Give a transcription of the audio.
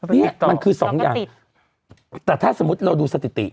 นี่มันคือสองอย่างแต่ถ้าสมมุติเราดูสถิติ